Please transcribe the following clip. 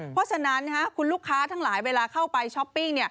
เพราะฉะนั้นคุณลูกค้าทั้งหลายเวลาเข้าไปช้อปปิ้ง